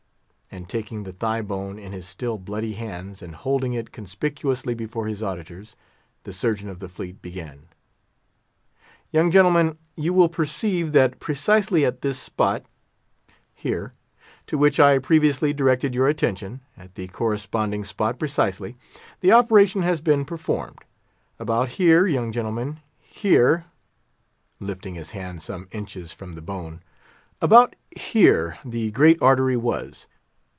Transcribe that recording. And taking the thigh bone in his still bloody hands, and holding it conspicuously before his auditors, the Surgeon of the Fleet began: "Young gentlemen, you will perceive that precisely at this spot—here—to which I previously directed your attention—at the corresponding spot precisely—the operation has been performed. About here, young gentlemen, here"—lifting his hand some inches from the bone—"about here the great artery was.